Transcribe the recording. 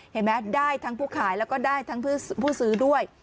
เห็นไหมได้ทั้งผู้ขายแล้วก็ได้ทั้งผู้ซื้อด้วย